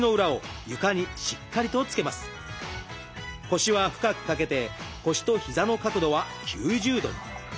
腰は深く掛けて腰と膝の角度は９０度。